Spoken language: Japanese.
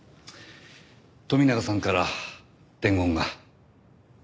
富永さんから伝言が。